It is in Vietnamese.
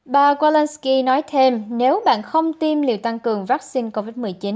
bà kolansky nói thêm nếu bạn không tiêm liều tăng cường vaccine covid một mươi chín